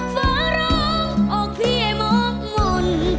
ฝร้องออกเพียงหมดมน